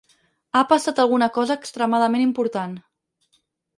Ha passat alguna cosa extremadament important.